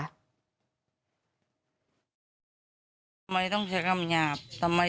ความภูมิอรู้สึกว่าโดนก็ก็กลับมาที่นี่